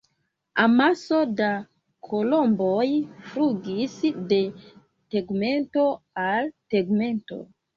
Amaso da kolomboj flugis de tegmento al tegmento.